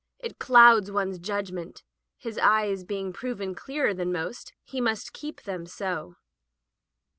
It clouds one's judgment. His eyes being proven clearer than most, he must keep them so.